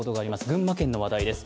群馬県の話題です。